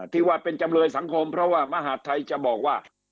ที่ว่าเป็นจำเลยสังคมเพราะว่ามหาดไทยจะบอกว่า